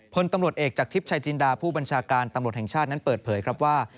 พลตำรวจเอกจากทิพย์ชายจินดาผู้บัญชาการตำรวจแห่งชาตินั้นเปิดเผยครับว่า